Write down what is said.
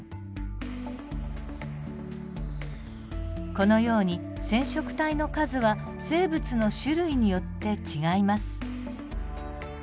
このように染色体の数は生物の種類によって違います。